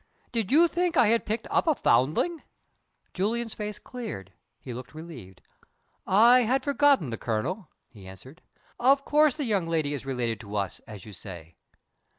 Did you think I had picked up a foundling?" Julian's face cleared; he looked relieved. "I had forgotten the Colonel," he answered. "Of course the young lady is related to us, as you say."